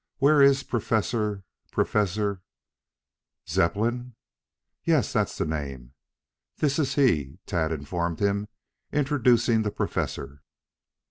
Where is Professor Professor " "Zepplin?" "Yes, that's the name." "This is he," Tad informed him, introducing the Professor.